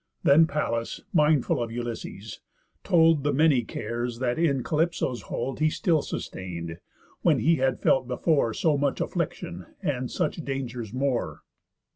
Then Pallas, mindful of Ulysses, told The many cares that in Calypso's hold He still sustain'd, when he had felt before So much affliction, and such dangers more.